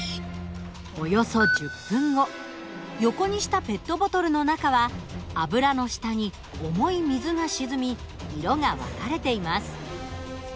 横にしたペットボトルの中は油の下に重い水が沈み色が分かれています。